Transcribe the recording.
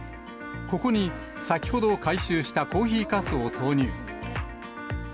ここに先ほど回収したコーヒーかすを投入。